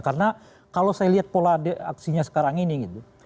karena kalau saya lihat pola aksinya sekarang ini gitu